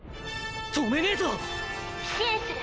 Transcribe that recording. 止めねぇと！支援する！